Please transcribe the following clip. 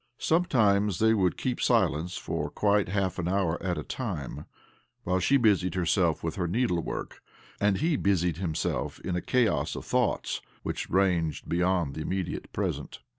203 204 OBLOMOV Sometimes they would keep silence for quite half an hour at a time, while she busied herself with her needlework, and he busied himself in a chaos of thoughts which ranged beyond the immediate present.